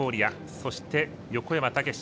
そして、横山武史。